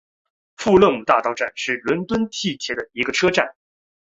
富勒姆大道站是伦敦地铁的一个车站。